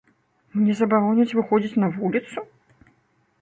Мне забароняць выходзіць на вуліцу?